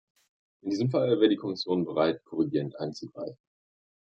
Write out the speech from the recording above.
In diesem Fall wäre die Kommission bereit, korrigierend einzugreifen.